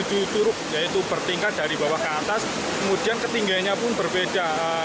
di turuk yaitu bertingkat dari bawah ke atas kemudian ketinggiannya pun berbeda